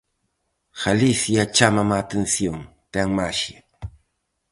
Galicia chámame a atención, ten maxia.